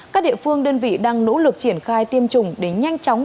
các địa phương đơn vị đang nỗ lực triển khai tiêm chủng